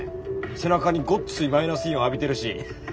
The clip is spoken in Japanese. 背中にごっついマイナスイオン浴びてるし。